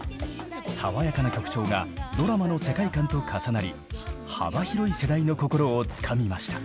爽やか曲調がドラマの世界観と重なり幅広い世代の心をつかみました。